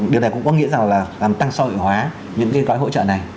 điều này cũng có nghĩa rằng là làm tăng xã hội hóa những cái gói hỗ trợ này